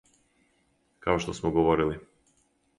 Као што смо говорили.